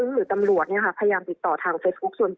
หรือตำรวจพยายามติดต่อทางเฟซบุ๊คส่วนตัว